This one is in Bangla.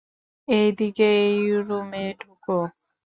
এইদিকে, এই রুমে ঢুক।